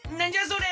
それ！